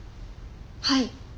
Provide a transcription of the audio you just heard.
はい。